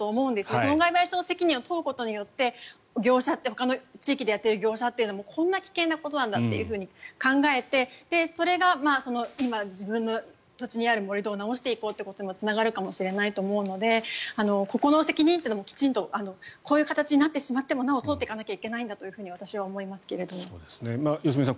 損害賠償責任を問うことによって業者ってほかの地域でやっている業者というのもこんな危険なことなんだと考えてそれが今、自分の土地にある盛り土を直していこうということにもつながるかもしれないのでここの責任もきちんとこういう形になってしまってもなお問うていかないといけないんだと良純さん